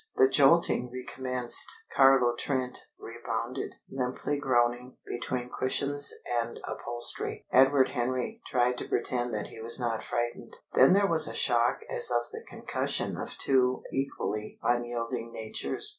The jolting recommenced. Carlo Trent rebounded, limply groaning, between cushions and upholstery. Edward Henry tried to pretend that he was not frightened. Then there was a shock as of the concussion of two equally unyielding natures.